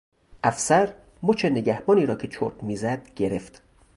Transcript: افسر مچ نگهبانی را که چرت میزد گرفت.